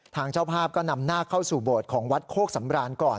ทางเจ้าภาพก็นำหน้าเข้าสู่โบสถ์ของวัดโคกสำราญก่อน